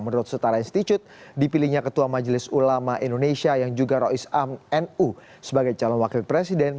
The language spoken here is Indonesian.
menurut setara institut dipilihnya ketua majelis ulama indonesia yang juga roisam ⁇ nu sebagai calon wakil presiden